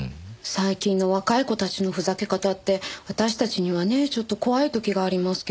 最近の若い子たちのふざけ方って私たちにはねちょっと怖い時がありますけど。